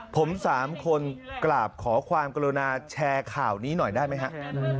ผม๓คนกราบขอความกรุณาแชร์ข่าวนี้หน่อยได้ไหมฮะ